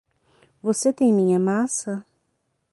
Você tem minha massa?